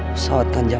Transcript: pesawat kan jam empat